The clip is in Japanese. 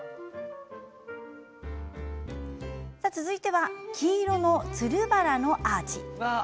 続いては黄色のつるバラのアーチ。